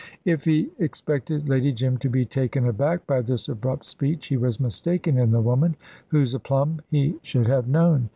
If he expected Lady Jim to be taken aback by this abrupt speech, he was mistaken in the woman, whose aplomb he should have known.